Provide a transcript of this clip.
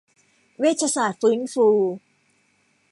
เวชศาสตร์ฟื้นฟู